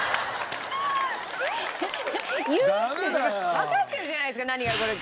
わかってるじゃないですか何が起こるか。